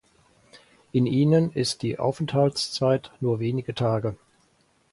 In ihnen ist die Aufenthaltszeit nur wenige Tage.